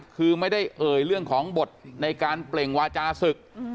คือไม่ได้เอ่ยเรื่องของบทในการเปล่งวาจาศึก